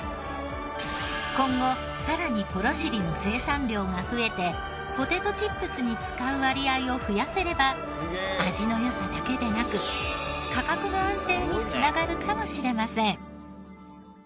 今後さらにぽろしりの生産量が増えてポテトチップスに使う割合を増やせれば味の良さだけでなく価格の安定に繋がるかもしれません。